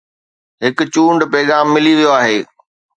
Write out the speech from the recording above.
هڪ چونڊ پيغام ملي ويو آهي